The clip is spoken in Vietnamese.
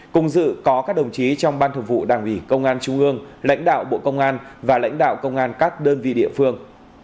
cùng dự có các đồng chí trong ban thường vụ đảng ủy công an trung ương lãnh đạo bộ công an và lãnh đạo công an các đơn vị địa phương